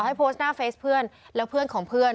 ให้โพสต์หน้าเฟสเพื่อนแล้วเพื่อนของเพื่อน